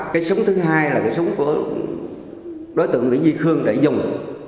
cái súng thứ hai là cái súng của đối tượng nguyễn duy khương để dùng